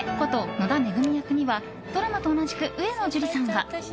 野田恵役にはドラマと同じく上野樹里さんが。